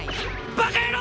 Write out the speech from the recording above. バカ野郎！